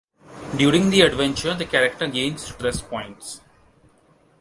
During the adventure, the character gains stress points.